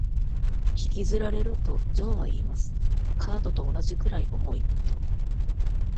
「引きずられる」とジョーは言います。「カートと同じくらい重い」と